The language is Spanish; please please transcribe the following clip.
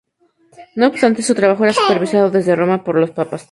No obstante, su trabajo era supervisado desde Roma por los papas.